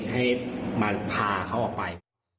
ให้มาพาเขาออกไป